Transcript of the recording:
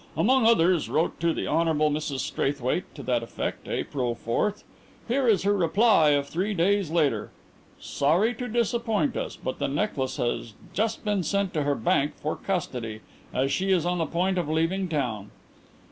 Among others, wrote to the Hon. Mrs Straithwaite to that effect April fourth. Here is her reply of three days later. Sorry to disappoint us, but the necklace has just been sent to her bank for custody as she is on the point of leaving town.